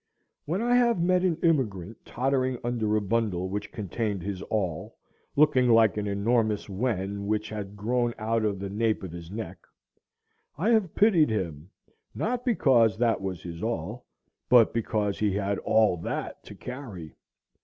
When I have met an immigrant tottering under a bundle which contained his all—looking like an enormous wen which had grown out of the nape of his neck—I have pitied him, not because that was his all, but because he had all that to carry.